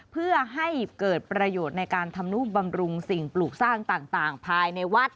เพื่อให้เกิดประโยชน์ในการทำนุบำรุงสิ่งปลูกสร้างต่างภายในวัด